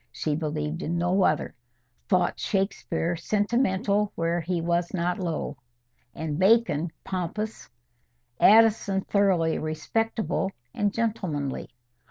She believed in no other; thought Shakespeare sentimental where he was not low, and Bacon pompous; Addison thoroughly respectable and gentlemanly.